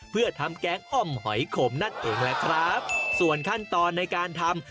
เพื่อทำแกงอ้อมหอยขมนั่นเองแหละครับส่วนขั้นตอนในการทำ